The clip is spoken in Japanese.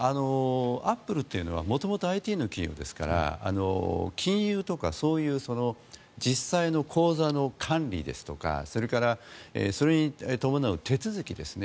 アップルというのは元々ＩＴの企業ですから金融とかそういう実際の口座の管理ですとかそれからそれに伴う手続きですね。